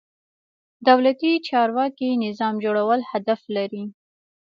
دولتي چارواکي نظام جوړول هدف لري.